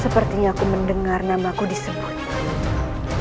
sepertinya aku mendengar namaku disebut